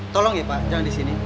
tolong ya pak jangan di sini